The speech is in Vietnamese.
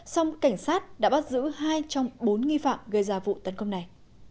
song cảnh sát đã bắt giữ hai trong bốn nghi phạm gây ra vụ tấn công này